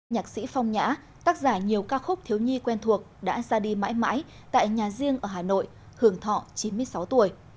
nhạc sĩ phong nhã tác giả nhiều ca khúc thiếu nhi quen thuộc đã ra đi mãi mãi tại nhà riêng ở hà nội hưởng thọ chín mươi sáu tuổi